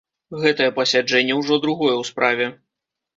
Гэтае пасяджэнне ўжо другое ў справе.